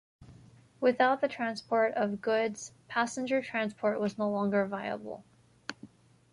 Without the transport of goods, passenger transport was no longer viable.